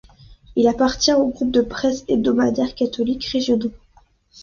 Il appartient au groupe de presse Hebdomadaires Catholiques Régionaux.